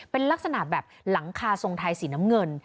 เป็นลักษณะแบบหลังคาทรงไทยสีน้ำเงิน